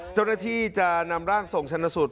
เจ้าหน้าที่จะนำร่างส่งชนสูตร